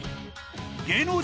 芸能人